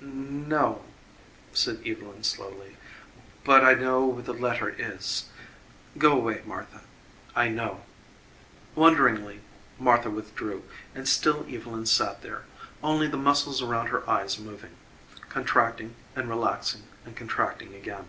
"No," said Evylyn slowly, "but I know where the letter is. Go 'way, Martha. I know." Wonderingly, Martha withdrew, and still Evylyn sat there, only the muscles around her eyes moving contracting and relaxing and contracting again.